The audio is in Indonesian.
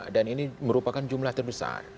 dan ini merupakan jumlah terbesar